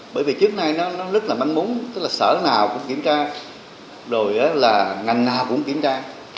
bởi vì trước nay nó rất là manh muốn tức là sở nào cũng kiểm tra rồi là ngành nào cũng kiểm tra